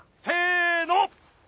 せの！